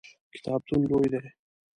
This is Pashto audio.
کتابتون لوی دی؟